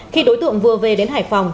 khi đối tượng vừa về đến hải phòng